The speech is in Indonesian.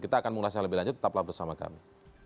kita akan mengulasnya lebih lanjut tetaplah bersama kami